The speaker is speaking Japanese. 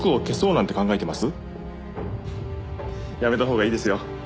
やめたほうがいいですよ。